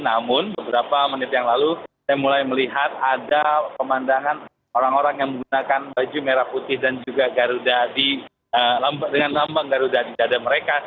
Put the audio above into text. namun beberapa menit yang lalu saya mulai melihat ada pemandangan orang orang yang menggunakan baju merah putih dan juga garuda dengan lambang garuda di dada mereka